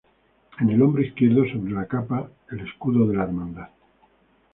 En el hombro izquierdo, sobre la capa, el escudo de la hermandad.